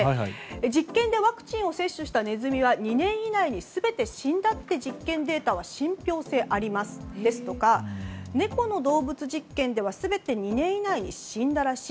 実験でワクチンを接種したネズミは２年以内に全て死んだって実験データは信ぴょう性ありますとか猫の動物実験では全て２年以内に死んだらしい。